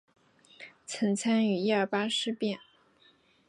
曾参与一二八事变。